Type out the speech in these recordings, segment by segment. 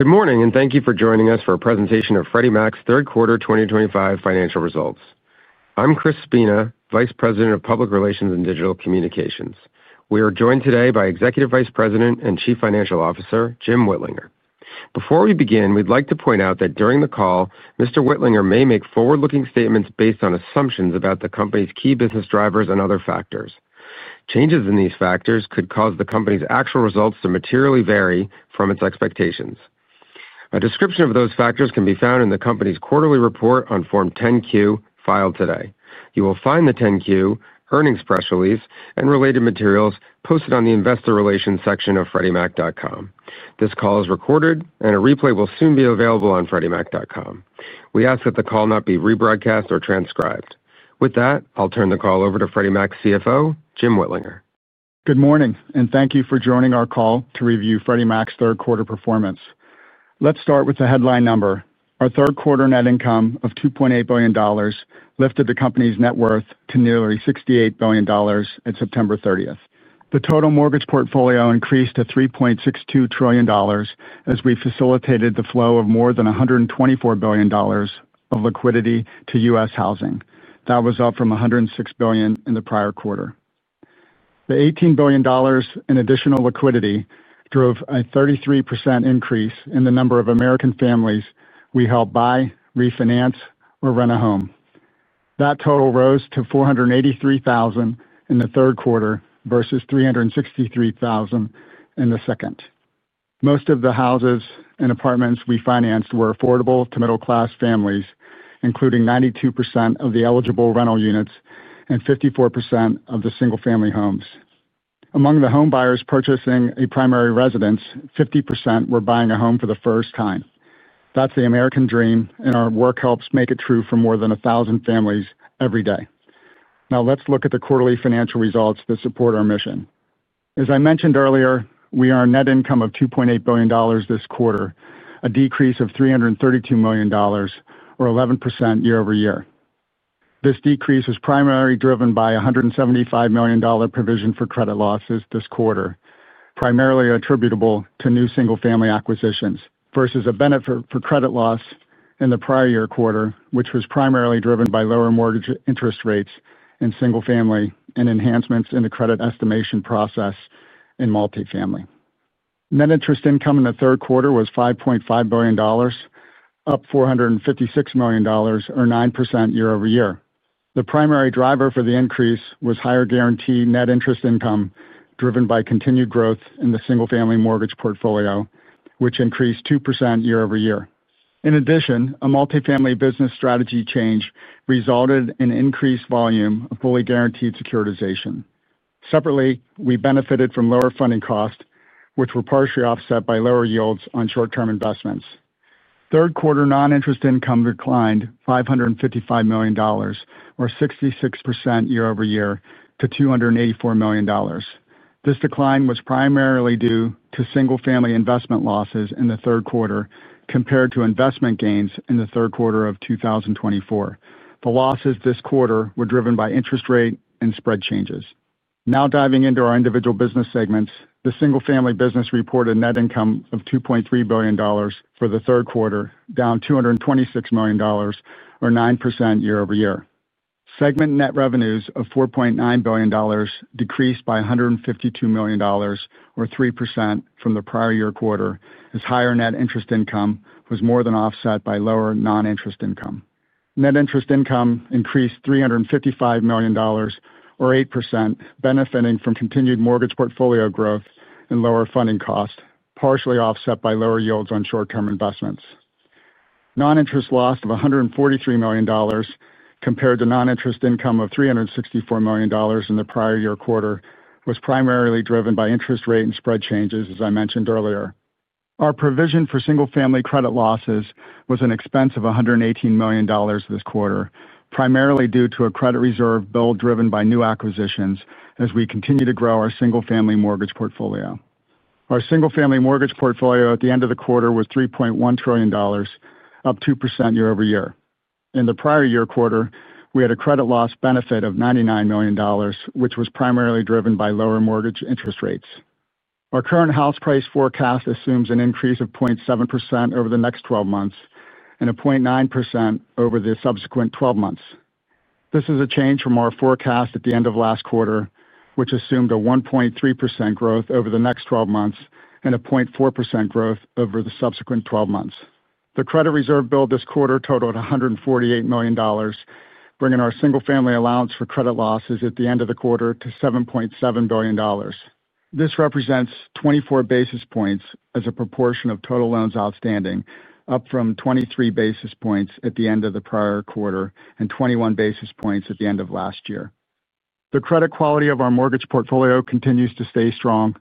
Good morning and thank you for joining us for a presentation of Freddie Mac's third quarter 2025 financial results. I'm Chris Spina, Vice President of Public Relations and Digital Communications. We are joined today by Executive Vice President and Chief Financial Officer Jim Whitlinger. Before we begin, we'd like to point out that during the call Mr. Whitlinger may make forward-looking statements based on assumptions about the company's key business drivers and other factors. Changes in these factors could cause the company's actual results to materially vary from its expectations. A description of those factors can be found in the company's quarterly report on Form 10-Q filed today. You will find the 10-Q earnings press release and related materials posted on the Investor Relations section of FreddieMac.com. This call is recorded and a replay will soon be available on FreddieMac.com. We ask that the call not be rebroadcast or transcribed. With that, I'll turn the call over to Freddie Mac CFO Jim Whitlinger. Good morning and thank you for joining our call to review Freddie Mac's third quarter performance. Thank you. Let's start with the headline number. Our third quarter net income of $2.8 billion lifted the company's net worth to nearly $68 billion at September 30th. The total mortgage portfolio increased to $3.62 trillion as we facilitated the flow of more than $124 billion of liquidity to the U.S. housing market. That was up from $106 billion in the prior quarter. The $18 billion in additional liquidity contributed drove a 33% increase in the number of American families we helped buy, refinance, or rent a home. That total rose to 483,000 in the third quarter versus 363,000 in the second. Most of the houses and apartments we financed were affordable to middle class families, including 92% of the eligible rental units and 54% of the single-family homes. Among the home buyers purchasing a primary residence, 50% were buying a home for the first time. That's the American dream and our work helps make it true for more than 1,000 families every day. Now let's look at the quarterly financial results that support our mission. As I mentioned earlier, we earned net income of $2.8 billion this quarter, a decrease of $332 million or 11% year-over-year. This decrease is primarily driven by a $175 million provision for credit losses this quarter, primarily attributable to new single-family acquisitions versus a benefit for credit losses in the prior year quarter, which was primarily driven by lower mortgage interest rates in single-family and enhancements in the credit estimation process in multifamily. Net interest income in the third quarter was $5.5 billion, up $456 million or 9% year-over-year. The primary driver for the increase was higher guaranteed net interest income driven by continued growth in the single-family mortgage portfolio, which increased 2% year-over-year. In addition, a multifamily business strategy change resulted in increased volume of fully guaranteed securitizations. Separately, we benefited from lower funding costs, which were partially offset by lower yields on short-term investments. Third quarter non-interest income declined $555 million or 66% year-over-year to $284 million. This decline was primarily due to single-family investment losses in the third quarter compared to investment gains in the third quarter of 2024. The losses this quarter were driven by interest rate and spread changes. Now diving into our individual business segments. The single-family business reported net income of $2.3 billion for the third quarter, down $226 million or 9% year-over-year. Segment net revenues of $4.9 billion decreased by $152 million or 3% from the prior year quarter as higher net interest income was more than offset by lower non-interest income. Net interest income increased $355 million or 8%, benefiting from continued mortgage portfolio growth and lower funding cost, partially offset by lower yields on short-term investments. Non-interest loss of $143 million compared to non-interest income of $364 million in the prior year quarter was primarily driven by interest rate and spread changes. As I mentioned earlier, our provision for single-family credit losses was an expense of $118 million this quarter, primarily due to a credit reserve build driven by new acquisitions as we continue to grow our single-family mortgage portfolio. Our single-family mortgage portfolio at the end of the quarter was $3.1 trillion, up 2% year-over-year. In the prior year quarter, we had a credit loss benefit of $99 million, which was primarily driven by lower mortgage interest rates. Our current house price forecast assumes an increase of 0.7% over the next 12 months and a 0.9% over the subsequent 12 months. This is a change from our forecast at the end of last quarter, which assumed a 1.3% growth over the next 12 months and a 0.4% growth over the subsequent 12 months. The credit reserve build this quarter totaled $148 million, bringing our single-family allowance for credit losses at the end of the quarter to $7.7 billion. This represents 24 basis points as a proportion of total loans outstanding, up from 23 basis points at the end of the prior quarter and 21 basis points at the end of last year. The credit quality of our mortgage portfolio continues to stay strong.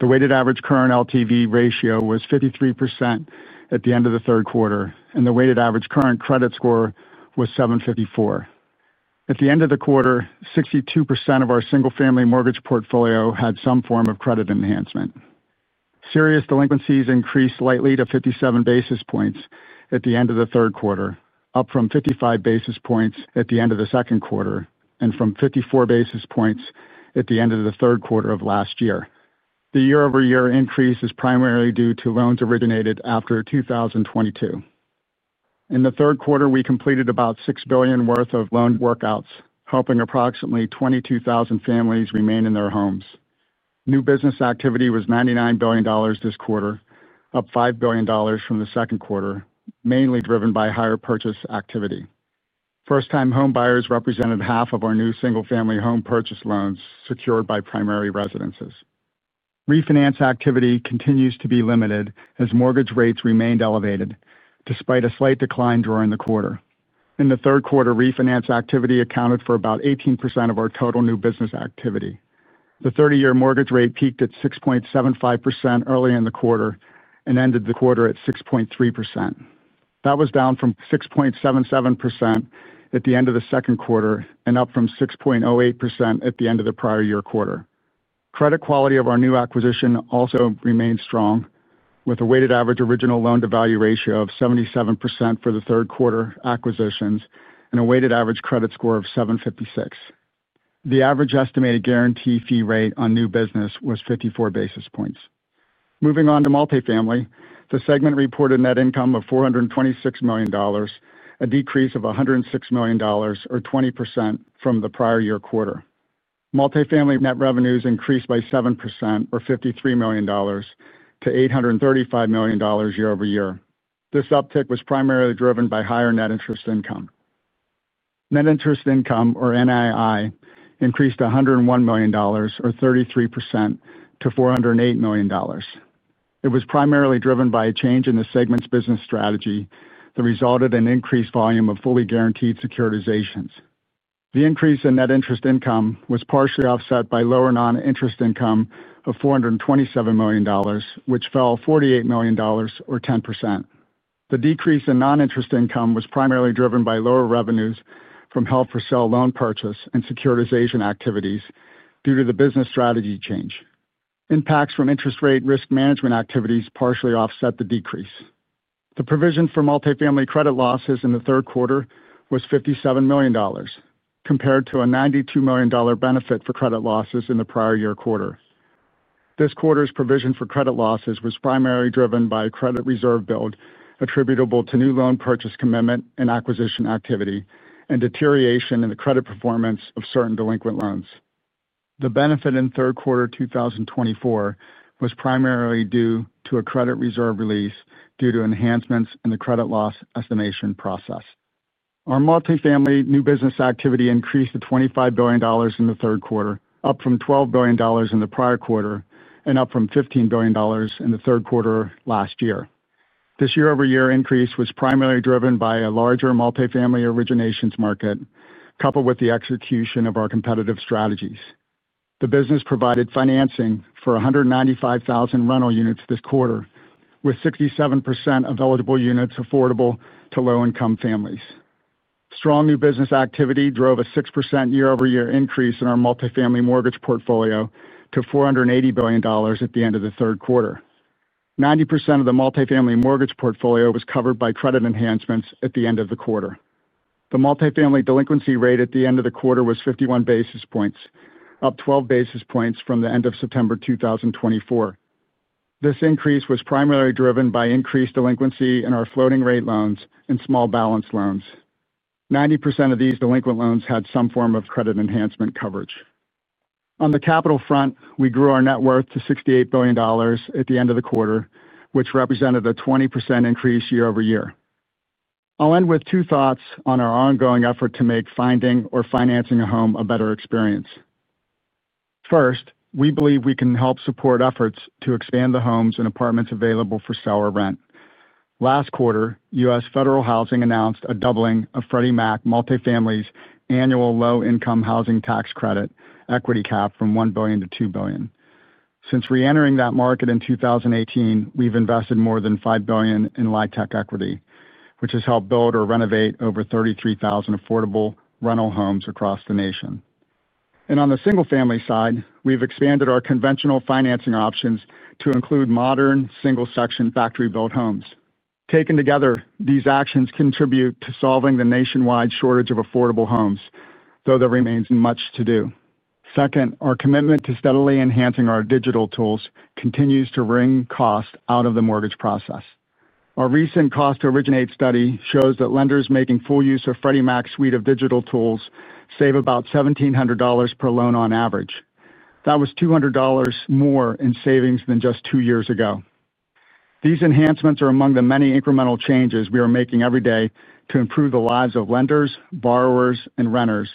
The weighted average current loan-to-value ratio was 53% at the end of the third quarter, and the weighted average current credit score was 754 at the end of the quarter. 62% of our single-family mortgage portfolio had some form of credit enhancement. Serious delinquencies increased slightly to 57 basis points at the end of the third quarter, up from 55 basis points at the end of the second quarter and from 54 basis points at the end of the third quarter last year. The year-over-year increase is primarily due to loans originated after 2022. In the third quarter, we completed about $6 billion worth of loan workouts, helping approximately 22,000 families remain in their homes. New business activity was $99 billion this quarter, up $5 billion from the second quarter, mainly driven by higher purchase activity. First time homebuyers represented half of our new single-family home purchase loans secured by primary residences. Refinance activity continues to be limited as mortgage rates remained elevated despite a slight decline during the quarter. In the third quarter, refinance activity accounted for about 18% of our total new business activity. The 30-year mortgage rate peaked at 6.75% early in the quarter and ended the quarter at 6.3%. That was down from 6.77% at the end of the second quarter and up from 6.08% at the end of the prior year quarter. Credit quality of our new acquisition also remained strong with a weighted average original loan-to-value ratio of 77% for the third quarter acquisitions and a weighted average credit score of 756. The average estimated guarantee fee rate on new business was 54 basis points. Moving on to multifamily, the segment reported net income of $426 million, a decrease of $106 million or 20% from the prior year quarter. Multifamily net revenues increased by 7% or $53 million to $835 million year-over-year. This uptick was primarily driven by higher net interest income. Net interest income, or NII, increased $101 million or 33% to $408 million. It was primarily driven by a change in the segment's business strategy that resulted in increased volume of fully guaranteed securitizations. The increase in net interest income was partially offset by lower non-interest income of $427 million, which fell $48 million or 10%. The decrease in non-interest income was primarily driven by lower revenues from held for sale, loan purchase, and securitization activities due to the business strategy change. Impacts from interest rate risk management activities partially offset the decrease. The provision for multifamily credit losses in the third quarter was $57 million compared to a $92 million benefit for credit losses in the prior year quarter. This quarter's provision for credit losses was primarily driven by a credit reserve build attributable to new loan purchase commitment and acquisition activity and deterioration in the credit performance of certain delinquent loans. The benefit in third quarter 2024 was primarily due to a credit reserve release due to enhancements in the credit loss estimation process. Our multifamily new business activity increased to $25 billion in the third quarter, up from $12 billion in the prior quarter and up from $15 billion in the third quarter last year. This year-over-year increase was primarily driven by a larger multifamily originations market coupled with the execution of our competitive strategies. The business provided financing for 195,000 rental units this quarter with 67% of eligible units affordable to low income families. Strong new business activity drove a 6% year-over-year increase in our multifamily mortgage portfolio to $480 billion at the end of the third quarter. 90% of the multifamily mortgage portfolio was covered by credit enhancements at the end of the quarter. The multifamily delinquency rate at the end of the quarter was 51 basis points, up 12 basis points from the end of September 2024. This increase was primarily driven by increased delinquency in our floating rate loans and small balance loans. 90% of these delinquent loans had some form of credit enhancement coverage. On the capital front, we grew our net worth to $68 billion at the end of the quarter, which represented a 20% increase year-over-year. I'll end with two thoughts on our ongoing effort to make finding or financing a home a better experience. First, we believe we can help support efforts to expand the homes and apartments available for sale or rental. Last quarter, U.S. Federal Housing announced a doubling of Freddie Mac Multifamily's annual Low-Income Housing Tax Credit equity cap from $1 billion to $2 billion. Since re-entering that market in 2018, we've invested more than $5 billion in LIHTC equity, which has helped build or renovate over 33,000 affordable rental homes across the nation. On the single-family side, we've expanded our conventional financing options to include modern single section, factory-built homes. Taken together, these actions contribute to solving the nationwide shortage of affordable homes, though there remains much to do. Second, our commitment to steadily enhancing our digital tools continues to wring cost out of the mortgage process. Our recent cost to originate study shows that lenders making full use of Freddie Mac's suite of digital tools save about $1,700 per loan on average. That was $200 more in savings than just two years ago. These enhancements are among the many incremental changes we are making every day to improve the lives of lenders, borrowers, and renters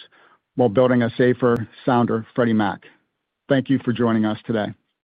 while building a safer, sounder Freddie Mac. Thank you for joining us today.